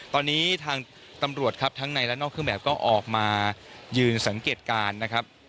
ตอนนี้ทางตำรวจครับทั้งในและนอกเครื่องแบบก็ออกมายืนสังเกตการณ์นะครับ